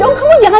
dengan gitu dez